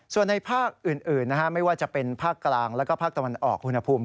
ส่วนในภาคอื่นไม่ว่าจะเป็นภาคกลางแล้วก็ภาคตะวันออกอุณหภูมิ